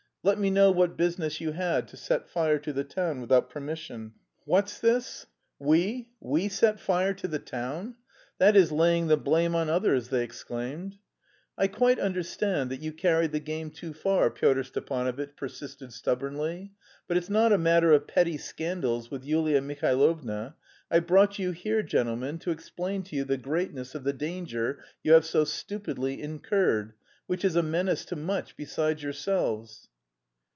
"Let me know what business you had to set fire to the town without permission." "What's this! We, we set fire to the town? That is laying the blame on others!" they exclaimed. "I quite understand that you carried the game too far," Pyotr Stepanovitch persisted stubbornly, "but it's not a matter of petty scandals with Yulia Mihailovna. I've brought you here gentlemen, to explain to you the greatness of the danger you have so stupidly incurred, which is a menace to much besides yourselves."